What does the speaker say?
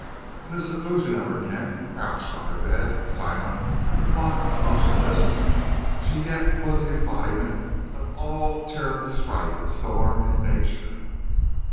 In the seclusion of her tent, crouched on her bed, silent, locked, motionless, she yet was the embodiment of all terrible strife and storm in nature.